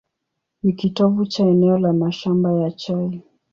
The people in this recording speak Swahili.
Ni kitovu cha eneo la mashamba ya chai.